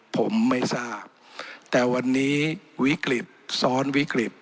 ผมไม่ทราบแต่วันนี้วิกฤตซ้อนวิกฤต